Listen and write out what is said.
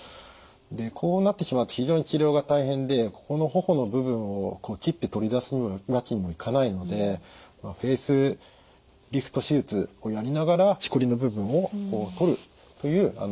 でこうなってしまうと非常に治療が大変でここの頬の部分を切って取り出すわけにもいかないのでフェイスリフト手術をやりながらしこりの部分をとるという手術が必要になりました。